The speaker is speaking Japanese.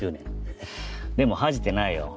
でも恥じてないよ。